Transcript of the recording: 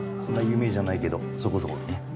そんな有名じゃないけどそこそこのね。